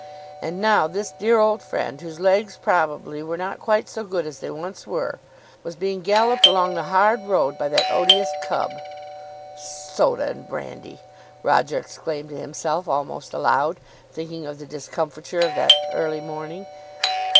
And now this dear old friend, whose legs probably were not quite so good as they once were, was being galloped along the hard road by that odious cub! "Soda and brandy!" Roger exclaimed to himself almost aloud, thinking of the discomfiture of that early morning.